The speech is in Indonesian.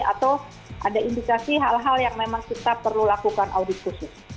atau ada indikasi hal hal yang memang kita perlu lakukan audit khusus